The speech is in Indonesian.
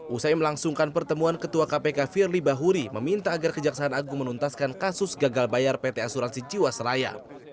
usai melangsungkan pertemuan ketua kpk firly bahuri meminta agar kejaksaan agung menuntaskan kasus gagal bayar pt asuransi jiwasraya